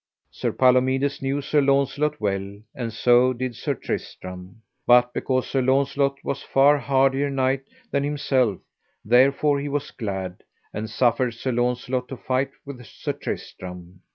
Sir Palomides knew Sir Launcelot well, and so did Sir Tristram, but because Sir Launcelot was far hardier knight than himself therefore he was glad, and suffered Sir Launcelot to fight with Sir Tristram.